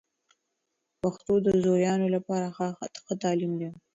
پښتو د زویانو لپاره ښه تعلیم دی.